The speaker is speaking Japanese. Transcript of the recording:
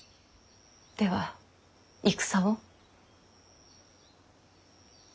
では戦を？